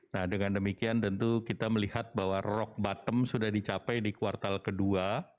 nah dengan demikian tentu kita melihat bahwa rock bottom sudah dicapai di kuartal kedua